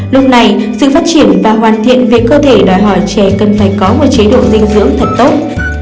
lúc này sự phát triển và hoàn thiện về cơ thể đòi hỏi trẻ cần phải có một chế độ dinh dưỡng thật tốt